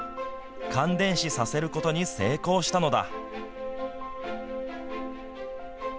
感電死させることに成功したのだ。